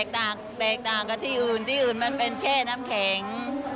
แตกแตกต่างกับที่อื่นที่อื่นมันเป็นแช่น้ำแข็ง